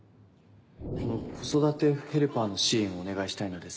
この子育てヘルパーの支援をお願いしたい